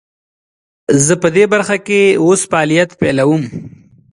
زه پدي برخه کې اوس فعالیت پیلوم.